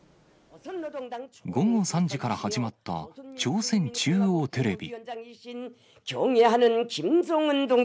午後３時から始まった、朝鮮中央テレビ。